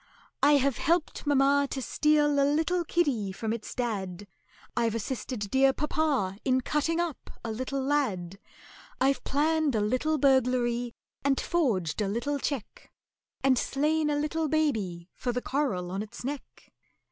"I have helped mamma to steal a little kiddy from its dad, I've assisted dear papa in cutting up a little lad, I've planned a little burglary and forged a little cheque, And slain a little baby for the coral on its neck!"